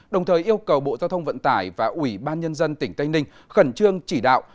đồng thời yêu cầu bộ giao thông vận tải và ủy ban nhân dân tỉnh tây ninh khẩn trương chỉ đạo